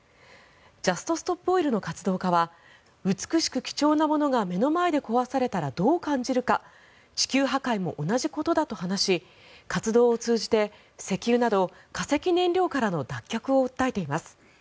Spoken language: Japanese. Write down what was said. ジャスト・ストップ・オイルの活動家は美しく貴重なものが目の前で壊されたらどう感じるか地球破壊も同じことだと話し活動を通じて石油など化石燃料からの脱却を訴えています。